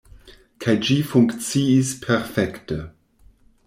Kaj ĝi funkciis perfekte.